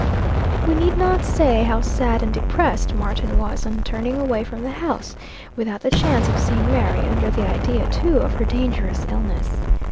We need not say how sad and depressed Martin was, on turning away from the house, without the chance of seeing Mary, under the idea, too, of her dangerous illness.